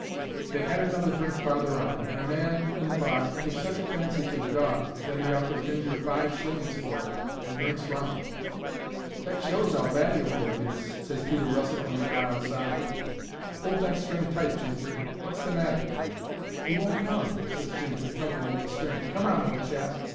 They 'ad another drink farther on, and a man in the bar took such a fancy to the dog that 'e offered Ginger five shillings for it and drinks round. "That shows 'ow valuable it is," ses Peter Russet when they got outside. "Hold that string tight, Ginger. Wot's the matter?" "He won't come," ses Ginger, tugging at the string. "Come on, old chap!